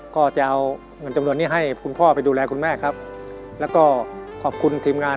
ก็จะเอาเงินจำนวนนี้ให้คุณพ่อไปดูแลคุณแม่ครับแล้วก็ขอบคุณทีมงาน